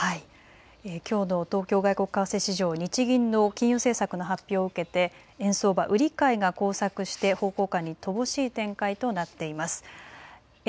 きょうの東京外国為替市場、日銀の金融政策の発表を受けて円相場は売り買いが交錯して方向感に乏しい展開となっています。